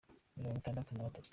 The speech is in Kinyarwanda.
mirongo itandatu na batatu.